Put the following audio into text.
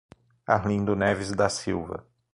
Arlindo Neves da Silva